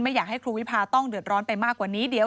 อยากให้ครูวิพาต้องเดือดร้อนไปมากกว่านี้เดี๋ยว